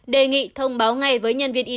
đề nghị thông báo ngay với nhân viên y